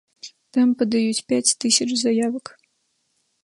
Там падаюць пяць тысяч заявак.